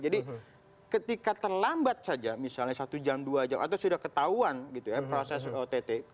ketika terlambat saja misalnya satu jam dua jam atau sudah ketahuan gitu ya proses ott